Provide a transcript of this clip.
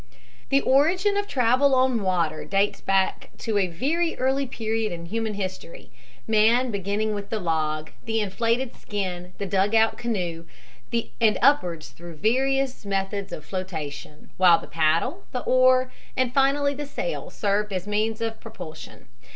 THE origin of travel on water dates back to a very early period in human history, men beginning with the log, the inflated skin, the dug out canoe, and upwards through various methods of flotation; while the paddle, the oar, and finally the sail served as means of propulsion.